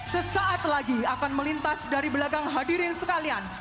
sesaat lagi akan melintas dari belakang hadirin sekalian